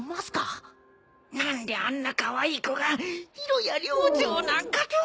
何であんなカワイイ子が宙や寮長なんかと！